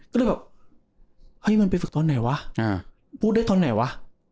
ก็เลยแบบเฮ้ยมันไปฝึกตอนไหนวะพูดได้ตอนไหนวะ